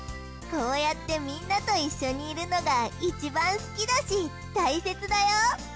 こうやってみんなと一緒にいるのがいちばん好きだし大切だよ！